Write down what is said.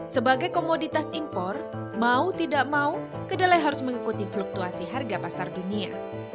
sebagai komoditas impor mau tidak mau kedelai harus mengikuti fluktuasi harga pasar dunia